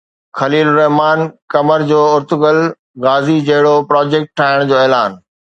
خليل الرحمان قمر جو Ertugrul Ghazi جهڙو project ٺاهڻ جو اعلان